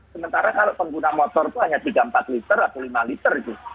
sementara kalau pengguna motor itu hanya tiga empat liter atau lima liter itu